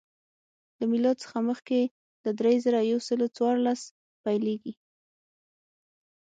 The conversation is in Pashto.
له میلاد څخه مخکې له درې زره یو سل څوارلس پیلېږي